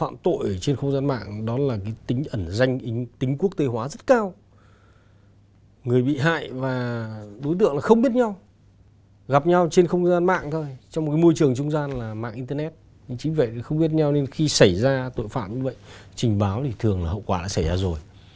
nên khi xảy ra tội phạm như vậy trình báo thì thường là hậu quả đã xảy ra rồi